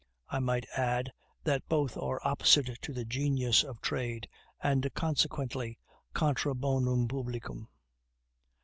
I might add that both are opposite to the genius of trade, and consequently contra bonum publicum.